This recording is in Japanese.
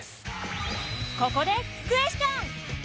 ここでクエスチョン！